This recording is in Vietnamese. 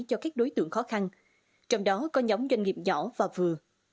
cho các đối tượng khó khăn trong đó có nhóm doanh nghiệp nhỏ và vừa